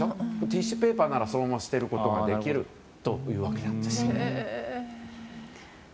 ティッシュペーパーならそのまま捨てることができるというわけです。